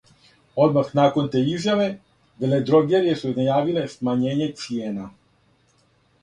Одмах након те изјаве, веледрогерије су најавиле смањење цијена.